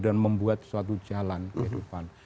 dan membuat suatu jalan kehidupan